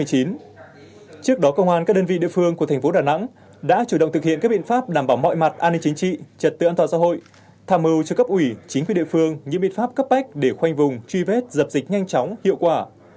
trước đó công an các đơn vị địa phương của thành phố đà nẵng đã chủ động thực hiện các biện pháp đảm bảo mọi mặt an ninh chính trị trật tự an toàn xã hội tham mưu cho cấp ủy chính quyền địa phương những biện pháp cấp bách để khoanh vùng truy vết dập dịch nhanh chóng hiệu quả